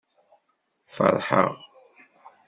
Feṛḥeɣ.